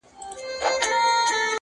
تا ول زه به یارته زولنې د کاکل واغوندم ,